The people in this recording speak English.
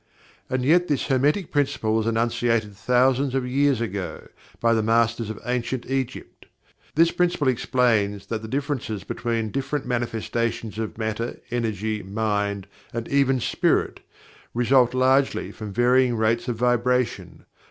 And yet this Hermetic Principle was enunciated thousands of years ago, by the Masters of Ancient Egypt. This Principle explains that the differences between different manifestations of Matter, Energy, Mind, and even Spirit, result largely from varying rates of Vibration.